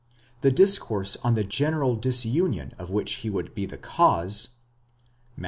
the discourse on the general disunion of which he would be the cause (Matt.